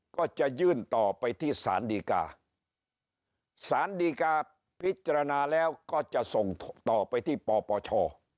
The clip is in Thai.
ก็จะยื่นต่อไปที่สารดีกาสารดีกาพิจารณาแล้วก็จะส่งต่อไปที่ปปช